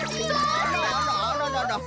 あらあらあららら。